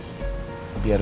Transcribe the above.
kok kecewa gue